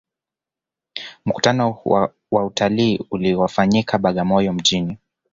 mkutano wa utalii uliyofanyikia bagamoyo mjini